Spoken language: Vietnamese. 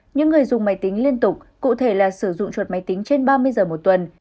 những người dùng máy tính liên tục cụ thể là sử dụng chuột máy tính trên ba mươi giờ một tuần